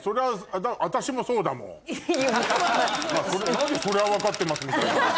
何でそれは分かってますみたいな。